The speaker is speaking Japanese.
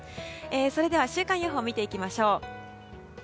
それでは週間予報を見ていきましょう。